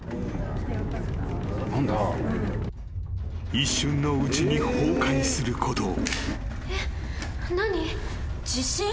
［一瞬のうちに崩壊することを］